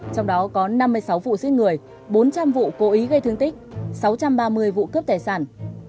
trong đó có năm mươi sáu vụ giết người bốn trăm linh vụ cố ý gây thương tích sáu trăm ba mươi vụ cướp tài sản